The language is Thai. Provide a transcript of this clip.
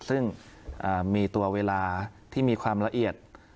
ซึ่งมีตัวเวลาที่มีความละเอียด